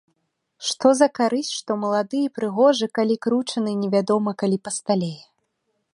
Што за карысць, што малады і прыгожы, калі кручаны і невядома калі пасталее.